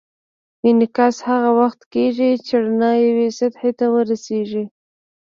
انعکاس هغه وخت کېږي چې رڼا یوې سطحې ته ورشي.